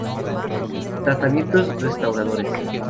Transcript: Tratamientos restauradores.